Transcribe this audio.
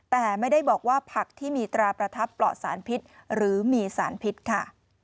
แต่ไม่ได้บอกว่าผักที่มีตราประทับปลอดสารพิษหรือมีสารพิษค่ะ